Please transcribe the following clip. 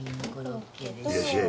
いらっしゃい。